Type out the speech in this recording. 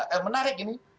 eh menarik ini